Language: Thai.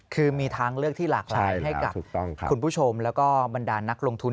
คือมีทางเลือกที่หลากหลายให้กับคุณผู้ชมแล้วก็บรรดานักลงทุน